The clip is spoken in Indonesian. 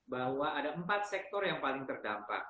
bahwa ada empat sektor yang paling terdampak